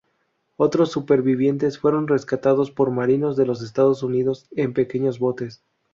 Otros supervivientes fueron rescatados por marinos de los Estados Unidos en pequeños botes.